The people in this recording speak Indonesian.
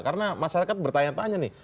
karena masyarakat bertanya tanya nih